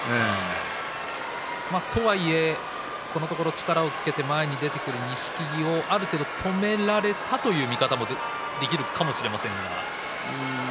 とはいえ、このところ力をつけて前に出てくる錦木を止められたと言うことはできるかもしれませんけれども。